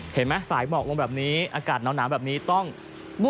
เห็นไหมสายเหมาะวงแบบนี้อากาศหนาวแบบนี้ต้องน้ำเต้าหู้